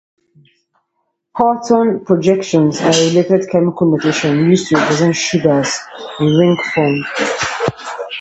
Haworth projections are a related chemical notation used to represent sugars in ring form.